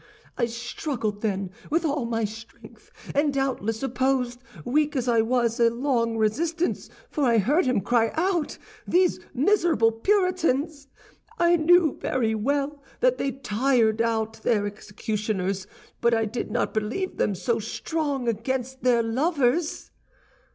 I struggled, then, with all my strength, and doubtless opposed, weak as I was, a long resistance, for I heard him cry out, 'These miserable Puritans! I knew very well that they tired out their executioners, but I did not believe them so strong against their lovers!